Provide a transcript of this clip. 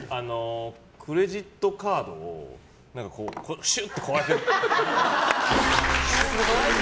クレジットカードをシュッて。